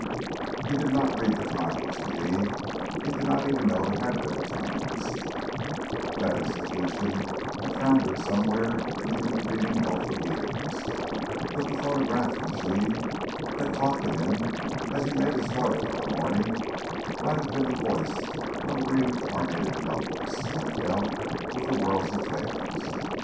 He did not read the Times: indeed, he did not know there ever had been a Times that institution had foundered somewhere in the intervening gulf of years; but the phonograph machine, that talked to him as he made his toilet of a morning, might have been the voice of a reincarnated Blowitz when it dealt with the world's affairs.